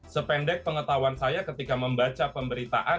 sependek pengetahuan saya ketika membaca pemberitaan